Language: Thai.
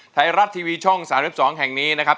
ไทยรัฐทีวีช่อง๓๒แห่งนี้นะครับ